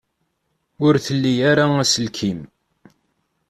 Ur tli ara aselkim.